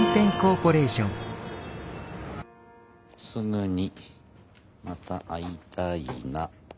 「すぐにまた会いたいな。